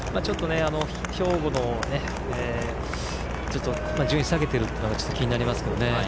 兵庫が順位を下げているのが気になりますけどね。